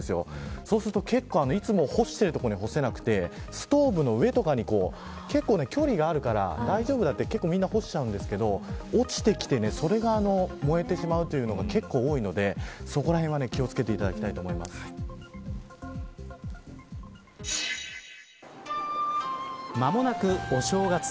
そうすると、いつも干している所に干せなくてストーブの上とかに結構距離があるから大丈夫だとみんな干しちゃうんですけど落ちてきて、それが燃えてしまうというのが結構多いのでそこらへんは、気を付けて間もなくお正月。